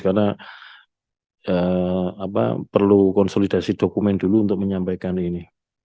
karena perlu konsolidasi dokumen dulu untuk menyampaikan ini